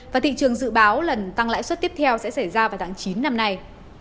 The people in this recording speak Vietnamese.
và thị trường dự báo lần tăng lãi suất tiếp theo sẽ xảy ra vào tháng chín năm nay